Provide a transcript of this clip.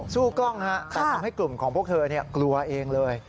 กล้องแต่ทำให้กลุ่มของพวกเธอกลัวเองเลย